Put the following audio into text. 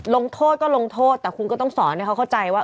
ลงโทษก็ลงโทษแต่คุณก็ต้องสอนให้เขาเข้าใจว่า